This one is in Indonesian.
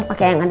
gak mau ah